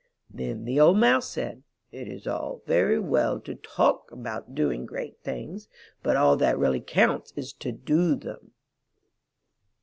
Then the old Mouse said: '*It is all very well to TALK about doing great things, but all that really counts is to DO them."